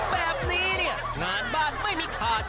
แบบนี้เนี่ยงานบ้านไม่มีขาด